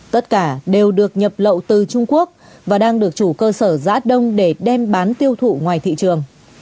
tất cả đều được nhập lậu từ trung quốc và đang được chủ cơ sở giã đông để đem bán tiêu thụ ngoài thị trường